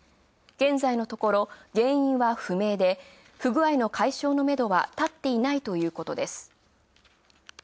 現在のところ原因は不明で不具合の解消のめどは、たっていないということです。